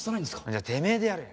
じゃあてめえでやれよ。